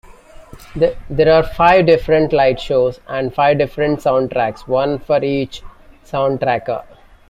There are five different lightshows and five different soundtracks, one for each Soundtracker.